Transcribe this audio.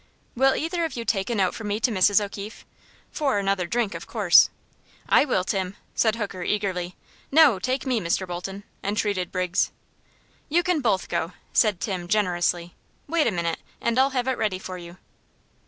"Will either of you take a note for me to Mrs. O'Keefe? For another drink, of course." "I will, Tim," said Hooker, eagerly. "No; take me, Mr. Bolton," entreated Briggs. "You can both go," said Tim, generously. "Wait a minute, and I'll have it ready for you."